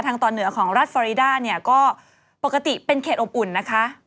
ทางต่อเหนือของรัฐฟอริดาก็ปกติเป็นเข็ดอบอุ่นนะคะ